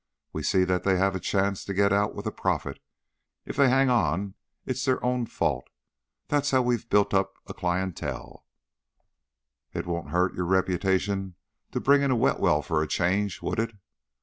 We see that they have a chance to get out with a profit; if they hang on it's their own fault. That's how we've built up a clienteel." "It wouldn't hurt your reputation to bring in a wet well for a change, would it?"